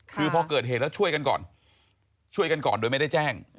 คือพอเกิดเหตุแล้วช่วยกันก่อนช่วยกันก่อนโดยไม่ได้แจ้ง